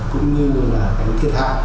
cũng như là cái thiệt hạ